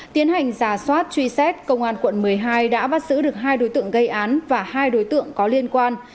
tiến hành giả soát truy xét công an quận một mươi hai đã bắt giữ được hai đối tượng gây án và hai đối tượng có liên quan